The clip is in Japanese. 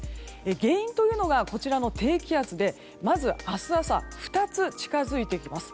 原因というのがこちらの低気圧でまず、明日朝２つ近づいてきます。